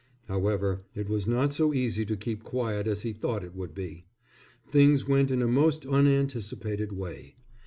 However, it was not so easy to keep quiet as he thought it would be. Things went in a most unanticipated way.